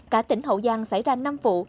cả tỉnh hậu giang xảy ra năm vụ